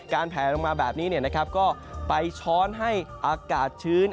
แผลลงมาแบบนี้ก็ไปช้อนให้อากาศชื้น